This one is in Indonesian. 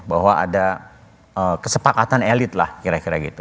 bahwa ada kesepakatan elit lah kira kira gitu